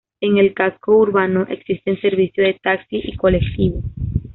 En el casco urbano existe servicio de taxi y colectivo.